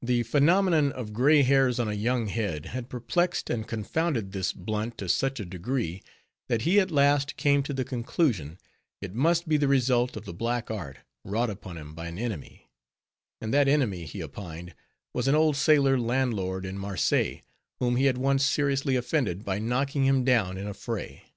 The phenomenon of gray hairs on a young head, had perplexed and confounded this Blunt to such a degree that he at last came to the conclusion it must be the result of the black art, wrought upon him by an enemy; and that enemy, he opined, was an old sailor landlord in Marseilles, whom he had once seriously offended, by knocking him down in a fray.